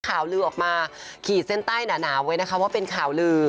ข่าวลือออกมาขีดเส้นใต้หนาวไว้นะคะว่าเป็นข่าวลือ